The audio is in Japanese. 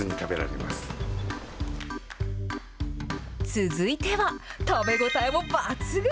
続いては、食べ応えも抜群。